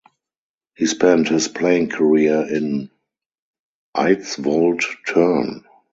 He spent his playing career in Eidsvold Turn.